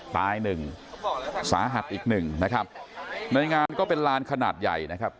ตายหนึ่งสาหัสอีกหนึ่งนะครับในงานก็เป็นลานขนาดใหญ่นะครับ